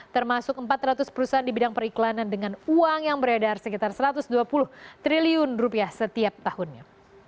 termasuk empat ratus perusahaan di bidang periklanan dengan uang yang beredar sekitar satu ratus dua puluh triliun rupiah setiap tahunnya